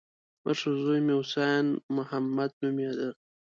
مشر زوی مې حسين محمد نومېده.